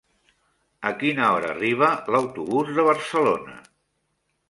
A quina hora arriba l'autobús de Barcelona?